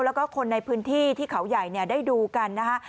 แล้วก็คนในพื้นที่ที่เขาใหญ่ได้ดูกันนะฮะ